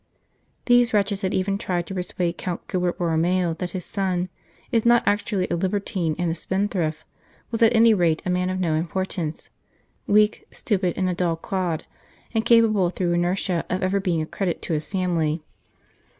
These wretches had even tried to persuade Count Gilbert Borromeo that his son, if not actually a libertine and a spendthrift, was at any rate a man of no importance weak, stupid, and a dull clod, incapable through inertia of ever being a credit to his family.